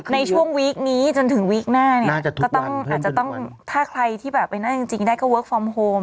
ในช่วงวีคนี้จนถึงวีคหน้าเนี่ยก็ต้องอาจจะต้องถ้าใครที่แบบไปนั่งจริงได้ก็เวิร์คฟอร์มโฮม